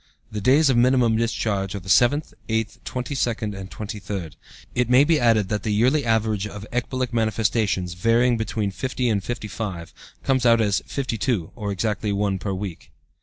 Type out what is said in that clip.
The days of minimum discharge are the seventh, eighth, twenty second, and twenty third." It may be added that the yearly average of ecbolic manifestations, varying between 50 and 55, comes out as 52, or exactly one per week.